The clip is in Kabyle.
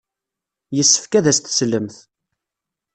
Yessefk ad as-teslemt.